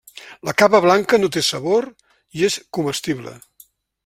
La capa blanca no té sabor i és comestible.